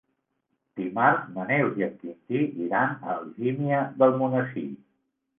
Dimarts na Neus i en Quintí iran a Algímia d'Almonesir.